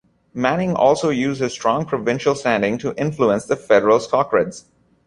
Manning also used his strong provincial standing to influence the federal Socreds.